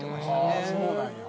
ああそうなんや。